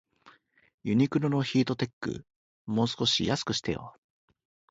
ユニクロのヒートテック、もう少し安くしてよ